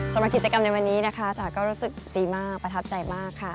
สำหรับกิจกรรมในวันนี้นะคะจ๋าก็รู้สึกดีมากประทับใจมากค่ะ